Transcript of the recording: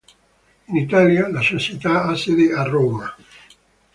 In Italia, la società ha sede a Roma.